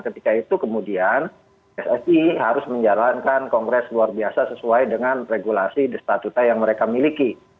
ketika itu kemudian pssi harus menjalankan kongres luar biasa sesuai dengan regulasi dan statuta yang mereka miliki